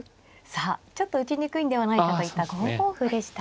さあちょっと打ちにくいんではないかと言った５五歩でした。